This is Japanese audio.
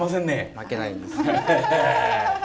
負けないです。